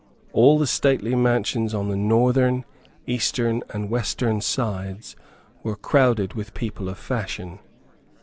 All the stately mansions on the northern, eastern and western sides were crowded with people of fashion.